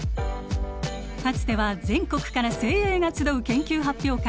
かつては全国から精鋭が集う研究発表会